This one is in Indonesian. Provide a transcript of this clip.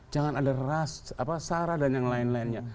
jangan ada sara dan yang lain lainnya